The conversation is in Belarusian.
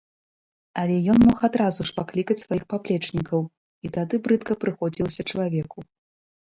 Але ён мог адразу ж паклікаць сваіх паплечнікаў, і тады брыдка прыходзілася чалавеку.